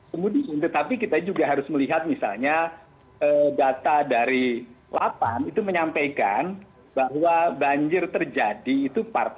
kemudian tetapi kita juga harus melihat misalnya data dari lapan itu menyampaikan bahwa banjir terjadi itu part